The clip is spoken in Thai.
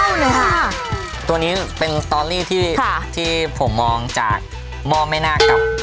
เล่าหน่อยค่ะตัวนี้เป็นสตอรี่ที่ค่ะที่ผมมองจากม่อแม่หน้ากับ